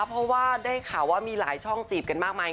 เพราะว่าได้ข่าวว่ามีหลายช่องจีบกันมากมาย